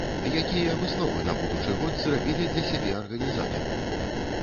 Якія высновы на будучы год зрабілі для сябе арганізатары?